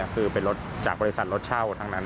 คือเป็นรถจากบริษัทรถเช่าทั้งนั้น